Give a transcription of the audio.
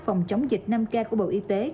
phòng chống dịch năm k của bộ y tế